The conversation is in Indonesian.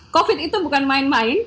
covid itu bukan main main